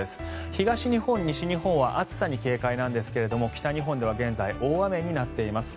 東日本、西日本は暑さに警戒なんですけれども北日本では現在、大雨になっています。